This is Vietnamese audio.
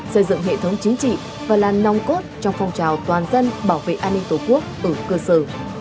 xây dựng hệ thống chính trị và là nòng cốt trong phong trào toàn dân bảo vệ an ninh tổ quốc ở cơ sở